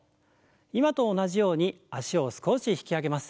今と同じように脚を少し引き上げます。